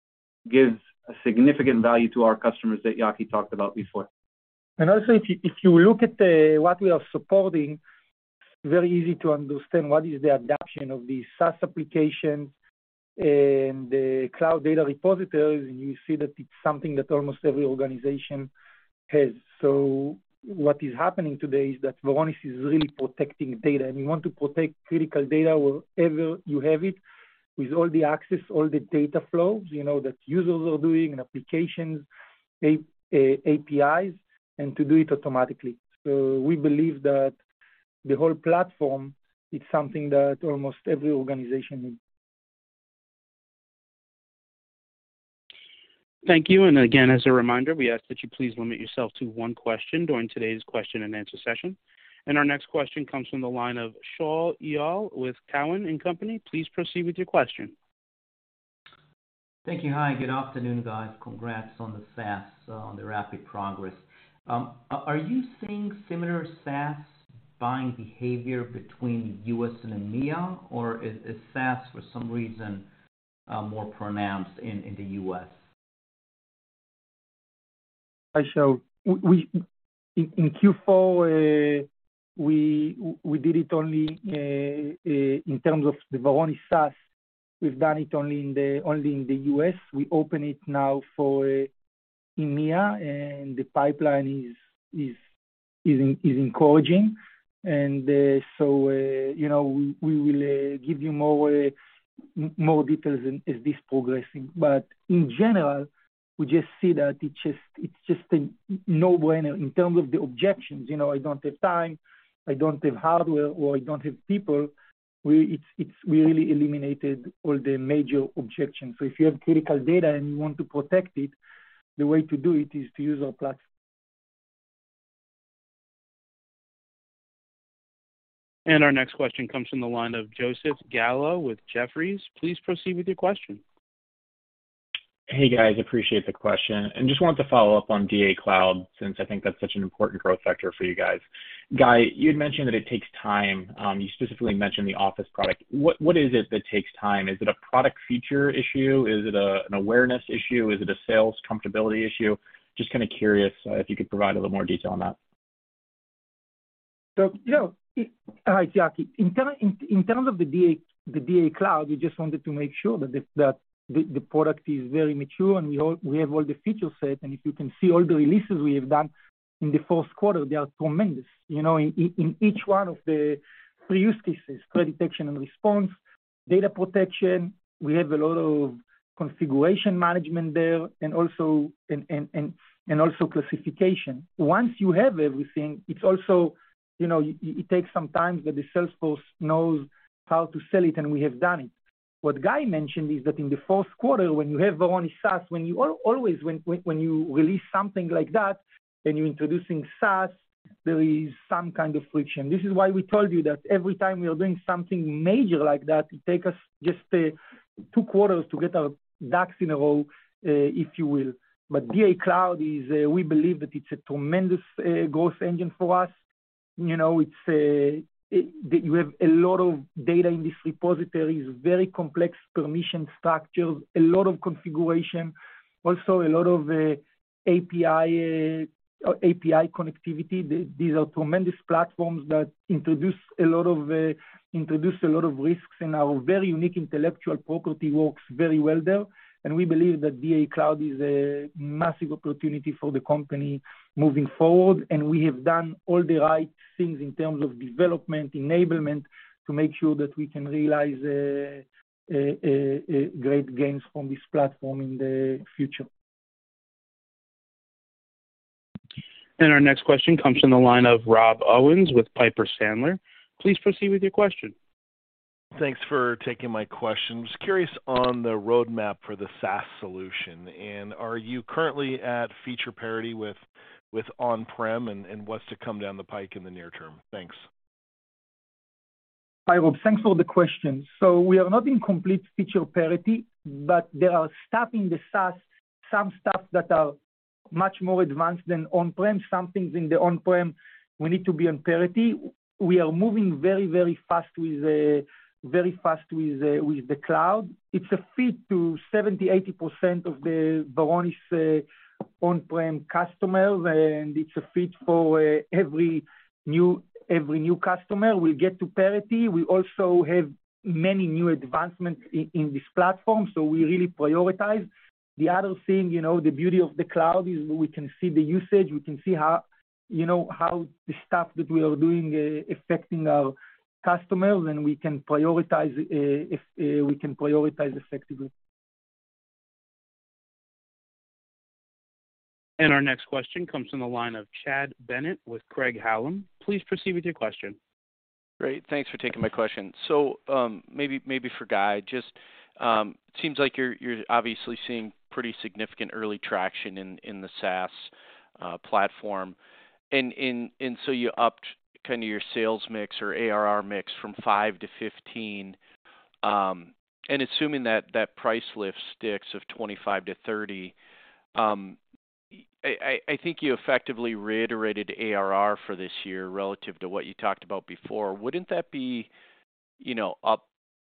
gives a significant value to our customers that Yaki talked about before. Also, if you, if you look at, what we are supporting, very easy to understand what is the adoption of the SaaS application and the cloud data repositories, and you see that it's something that almost every organization has. What is happening today is that Varonis is really protecting data, and we want to protect critical data wherever you have it with all the access, all the data flows, you know, that users are doing, applications, APIs, and to do it automatically. We believe that the whole platform is something that almost every organization needs. Thank you. Again, as a reminder, we ask that you please limit yourself to one question during today's question and answer session. Our next question comes from the line of Shaul Eyal with Cowen and Company. Please proceed with your question. Thank you. Hi, good afternoon, guys. Congrats on the SaaS, on the rapid progress. Are you seeing similar SaaS buying behavior between U.S. and EMEA? Or is SaaS for some reason more pronounced in the U.S.? Hi, Shaul. In Q4, we did it only in terms of the Varonis SaaS, we've done it only in the U.S. We open it now for EMEA. The pipeline is encouraging. You know, we will give you more details as this progressing. In general, we just see that it's just a no brainer in terms of the objections. You know, I don't have time, I don't have hardware, or I don't have people. It's really eliminated all the major objections. If you have critical data and you want to protect it, the way to do it is to use our platform. Our next question comes from the line of Joseph Gallo with Jefferies. Please proceed with your question. Hey, guys. Appreciate the question. Just wanted to follow up on DatAdvantage Cloud since I think that's such an important growth factor for you guys. Guy, you'd mentioned that it takes time. You specifically mentioned the Office product. What is it that takes time? Is it a product feature issue? Is it an awareness issue? Is it a sales comfortability issue? Just kinda curious, if you could provide a little more detail on that. You know, all right, Yaki. In terms of the DatAdvantage Cloud, we just wanted to make sure that the product is very mature, and we have all the feature set. If you can see all the releases we have done in the fourth quarter, they are tremendous. You know, in each one of the three use cases, threat detection and response, data protection, we have a lot of configuration management there and also classification. Once you have everything, it's also, you know, it takes some time that the salesforce knows how to sell it, and we have done it. What Guy mentioned is that in the fourth quarter, when you have the one SaaS, when you release something like that, and you're introducing SaaS, there is some kind of friction. This is why we told you that every time we are doing something major like that, it take us just two quarters to get our ducks in a row, if you will. DatAdvantage Cloud is, we believe that it's a tremendous growth engine for us. You know, that you have a lot of data in this repository is very complex permission structures, a lot of configuration, also a lot of API connectivity. These are tremendous platforms that introduce a lot of risks, our very unique intellectual property works very well there. We believe that DatAdvantage Cloud is a massive opportunity for the company moving forward, and we have done all the right things in terms of development, enablement to make sure that we can realize great gains from this platform in the future. Our next question comes from the line of Rob Owens with Piper Sandler. Please proceed with your question. Thanks for taking my question. Was curious on the roadmap for the SaaS solution. Are you currently at feature parity with on-prem, and what's to come down the pike in the near term? Thanks. Hi, Rob. Thanks for the question. We are not in complete feature parity, there are stuff in the SaaS, some stuff that are much more advanced than on-prem. Some things in the on-prem we need to be on parity. We are moving very fast with the cloud. It's a fit to 70%, 80% of the Varonis's on-prem customers, it's a fit for every new customer. We'll get to parity. We also have many new advancements in this platform. We really prioritize. The other thing, you know, the beauty of the cloud is we can see the usage, we can see how, you know, how the stuff that we are doing affecting our customers, and we can prioritize if we can prioritize effectively. Our next question comes from the line of Chad Bennett with Craig-Hallum. Please proceed with your question. Great. Thanks for taking my question. Maybe for Guy, just seems like you're obviously seeing pretty significant early traction in the SaaS platform. You upped kinda your sales mix or ARR mix from 5-15, and assuming that that price lift sticks of 25-30, I think you effectively reiterated ARR for this year relative to what you talked about before. Wouldn't that be, you know,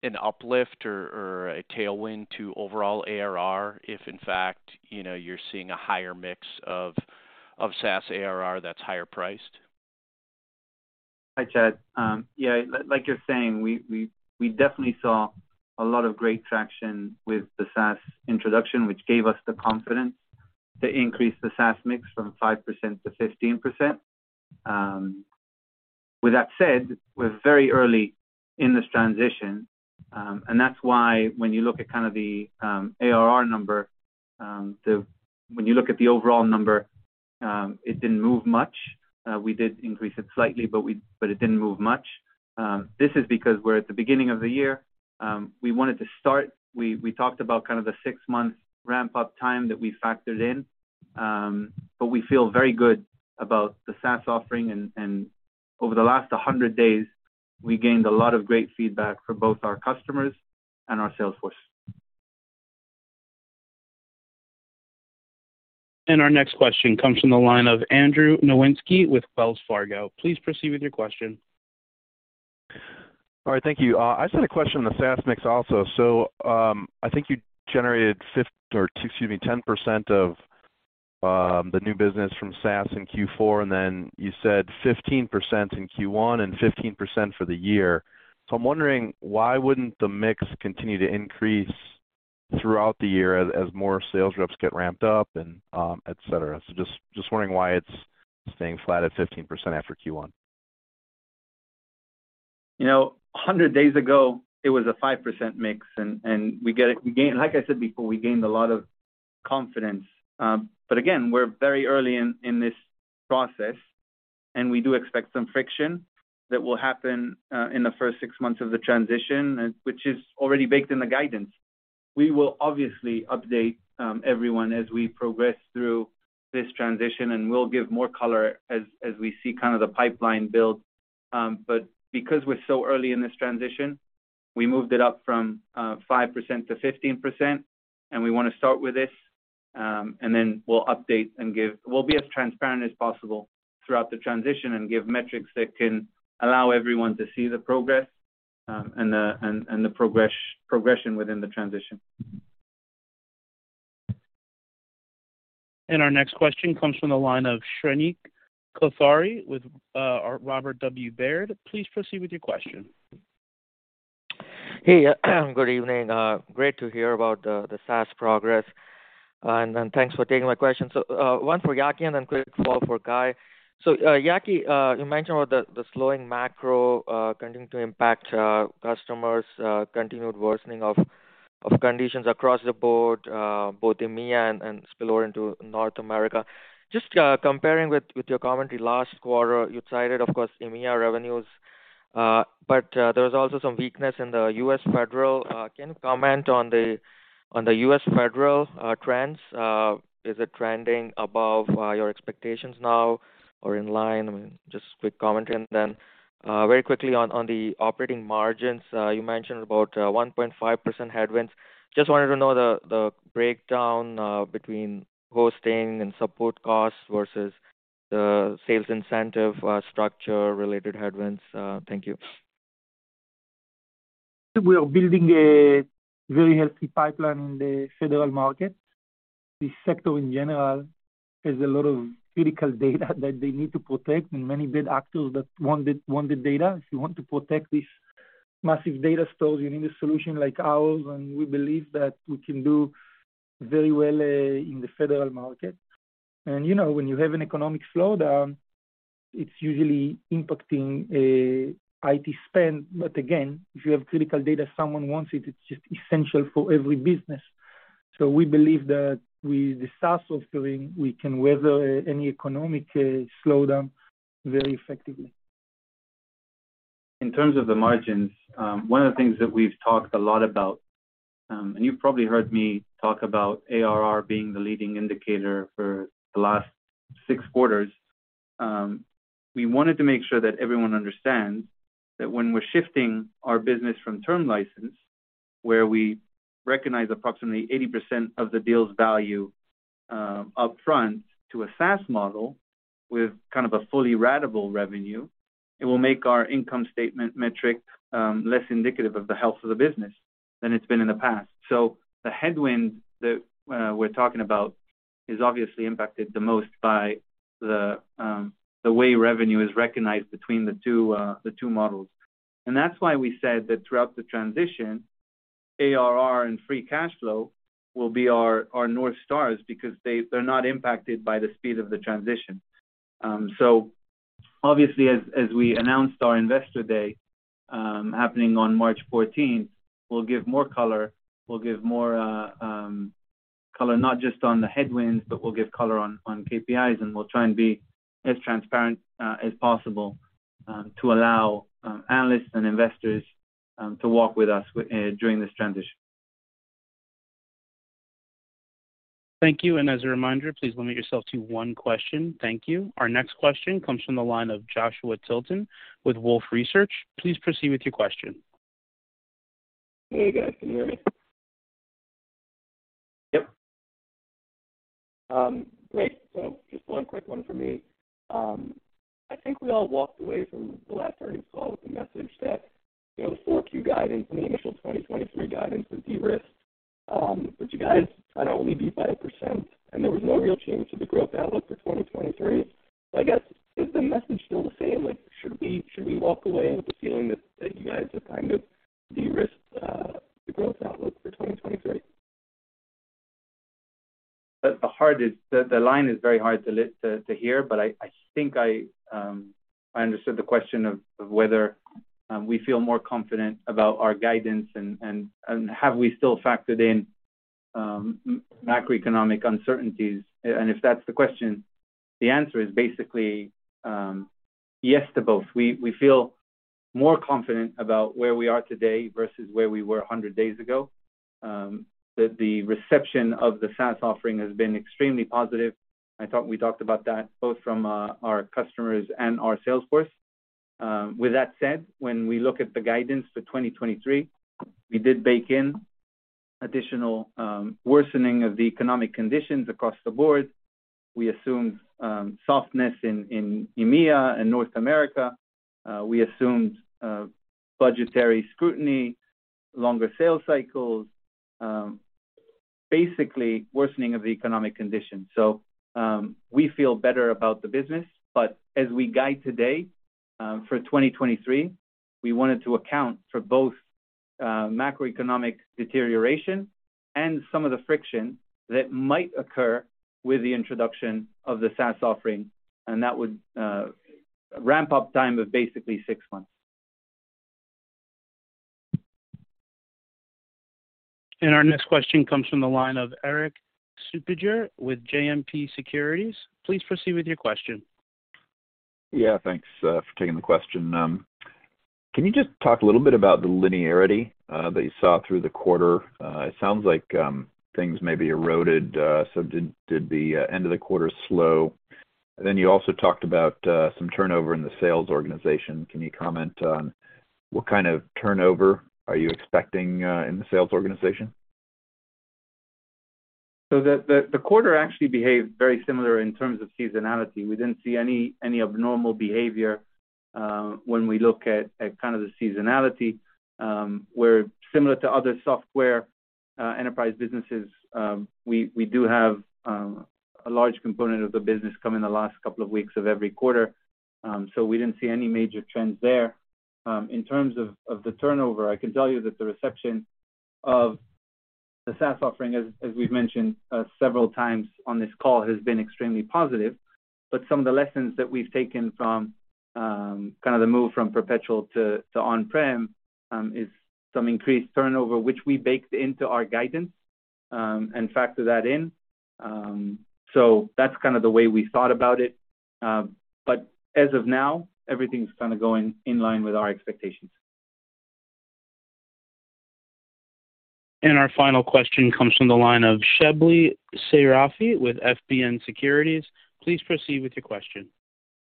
an uplift or a tailwind to overall ARR if in fact, you know, you're seeing a higher mix of SaaS ARR that's higher priced? Hi, Chad. Yeah, like you're saying, we definitely saw a lot of great traction with the SaaS introduction, which gave us the confidence to increase the SaaS mix from 5% to 15%. With that said, we're very early in this transition, and that's why when you look at kind of the ARR number, When you look at the overall number, it didn't move much. We did increase it slightly, but it didn't move much. This is because we're at the beginning of the year. We wanted to start. We talked about kind of the six-month ramp-up time that we factored in, but we feel very good about the SaaS offering and over the last 100 days, we gained a lot of great feedback from both our customers and our sales force. Our next question comes from the line of Andrew Nowinski with Wells Fargo. Please proceed with your question. All right. Thank you. I just had a question on the SaaS mix also. I think you generated 10% of the new business from SaaS in Q4, and then you said 15% in Q1 and 15% for the year. I'm wondering why wouldn't the mix continue to increase throughout the year as more sales reps get ramped up and etcetera. Just wondering why it's staying flat at 15% after Q1. You know, 100 days ago, it was a 5% mix, and Like I said before, we gained a lot of confidence. Again, we're very early in this process, and we do expect some friction that will happen in the first 6 months of the transition, which is already baked in the guidance. We will obviously update everyone as we progress through this transition, and we'll give more color as we see kind of the pipeline build. Because we're so early in this transition, we moved it up from 5% to 15%, and we wanna start with this. Then we'll update and give. We'll be as transparent as possible throughout the transition and give metrics that can allow everyone to see the progress and the progression within the transition. Our next question comes from the line of Shrenik Kothari with, Robert W. Baird. Please proceed with your question. Hey. Good evening. Great to hear about the SaaS progress, and thanks for taking my question. One for Yaki and then quick follow for Guy. Yaki, you mentioned about the slowing macro, continuing to impact customers, continued worsening of conditions across the board, both EMEA and spill over into North America. Just comparing with your commentary last quarter, you cited, of course, EMEA revenues, there was also some weakness in the U.S. federal. Can you comment on the U.S. federal trends? Is it trending above your expectations now or in line? I mean, just quick commentary. Very quickly on the operating margins, you mentioned about 1.5% headwinds. Just wanted to know the breakdown, between hosting and support costs versus the sales incentive, structure related headwinds. Thank you. We are building a very healthy pipeline in the Federal market. The sector, in general, has a lot of critical data that they need to protect and many bad actors that want the data. If you want to protect these massive data stores, you need a solution like ours, and we believe that we can do very well in the Federal market. You know, when you have an economic slowdown, it's usually impacting IT spend. Again, if you have critical data, someone wants it. It's just essential for every business. We believe that with the SaaS offering, we can weather any economic slowdown very effectively. In terms of the margins, one of the things that we've talked a lot about, and you've probably heard me talk about ARR being the leading indicator for the last six quarters. We wanted to make sure that everyone understands that when we're shifting our business from term license, where we recognize approximately 80% of the deal's value, upfront to a SaaS model with kind of a fully ratable revenue, it will make our income statement metric less indicative of the health of the business than it's been in the past. The headwind that we're talking about is obviously impacted the most by the way revenue is recognized between the two models. That's why we said that throughout the transition, ARR and free cash flow will be our North Stars because they're not impacted by the speed of the transition. Obviously as we announced our Investor Day, happening on March 14th, we'll give more color. We'll give more color, not just on the headwinds, but we'll give color on KPIs, and we'll try and be as transparent as possible to allow analysts and investors to walk with us during this transition. Thank you. As a reminder, please limit yourself to one question. Thank you. Our next question comes from the line of Joshua Tilton with Wolfe Research. Please proceed with your question. Hey, guys. Can you hear me? Yep. Great. Just 1 quick one from me. I think we all walked away from the last earnings call with the message that, you know, the 4Q guidance and the initial 2023 guidance was de-risked. You guys kind of only beat by 1%, and there was no real change to the growth outlook for 2023. I guess, is the message still the same? Like, should we walk away with the feeling that you guys have kind of de-risked the growth outlook for 2023? The hard is. The line is very hard to hear, but I think I understood the question of whether we feel more confident about our guidance and have we still factored in macroeconomic uncertainties. If that's the question, the answer is basically yes to both. We feel more confident about where we are today versus where we were 100 days ago. The reception of the SaaS offering has been extremely positive. I thought we talked about that both from our customers and our sales force. With that said, when we look at the guidance for 2023, we did bake in additional worsening of the economic conditions across the board. We assumed softness in EMEA and North America. We assumed, budgetary scrutiny, longer sales cycles, basically worsening of the economic conditions. We feel better about the business, but as we guide today, for 2023, we wanted to account for both, macroeconomic deterioration and some of the friction that might occur with the introduction of the SaaS offering, and that would, ramp up time of basically 6 months. Our next question comes from the line of Erik Suppiger with JMP Securities. Please proceed with your question. Yeah. Thanks for taking the question. Can you just talk a little bit about the linearity that you saw through the quarter? It sounds like things maybe eroded. Did the end of the quarter slow? You also talked about some turnover in the sales organization. Can you comment on what kind of turnover are you expecting in the sales organization? The quarter actually behaved very similar in terms of seasonality. We didn't see any abnormal behavior when we look at kind of the seasonality. We're similar to other software enterprise businesses. We do have a large component of the business come in the last couple of weeks of every quarter, so we didn't see any major trends there. In terms of the turnover, I can tell you that the reception of the SaaS offering, as we've mentioned several times on this call, has been extremely positive. Some of the lessons that we've taken from kind of the move from perpetual to on-prem is some increased turnover, which we baked into our guidance and factored that in. That's kind of the way we thought about it. As of now, everything's kinda going in line with our expectations. Our final question comes from the line of Shebly Seyrafi with FBN Securities. Please proceed with your question.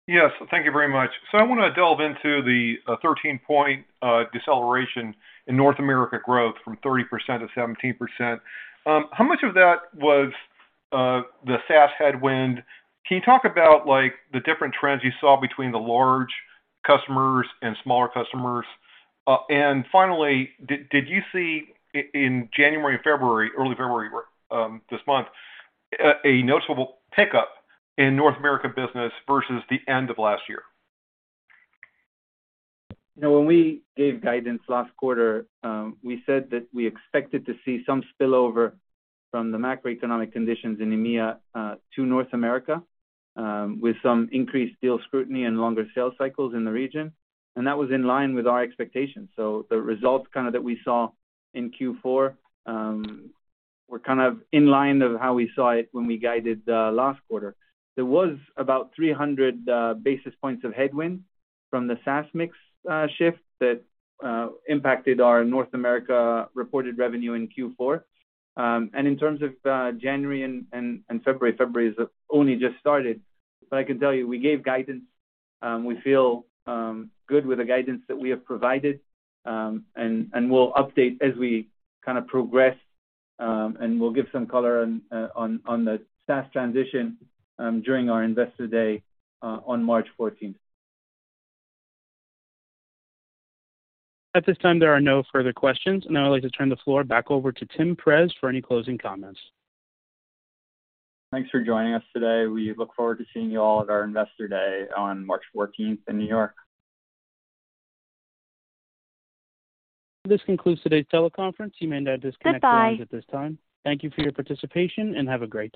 Yes, thank you very much. I wanna delve into the 13-point deceleration in North America growth from 30% to 17%. How much of that was the SaaS headwind? Can you talk about, like, the different trends you saw between the large customers and smaller customers? Finally, did you see in January and February, early February or this month, a noticeable pickup in North America business versus the end of last year? You know, when we gave guidance last quarter, we said that we expected to see some spillover from the macroeconomic conditions in EMEA to North America with some increased deal scrutiny and longer sales cycles in the region. That was in line with our expectations. The results kind of that we saw in Q4 were kind of in line of how we saw it when we guided the last quarter. There was about 300 basis points of headwind from the SaaS mix shift that impacted our North America reported revenue in Q4. In terms of January and February's only just started, I can tell you, we gave guidance. We feel good with the guidance that we have provided, and we'll update as we kinda progress, and we'll give some color on the SaaS transition, during our Investor Day, on March 14th. At this time, there are no further questions. I'd like to turn the floor back over to Tim Perz for any closing comments. Thanks for joining us today. We look forward to seeing you all at our Investor Day on March 14th in New York. This concludes today's teleconference. You may now disconnect your lines at this time. Bye-bye. Thank you for your participation, and have a great day.